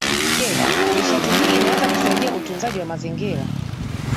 je nishati hii inaweza kusaidia utunzaji wa mazingira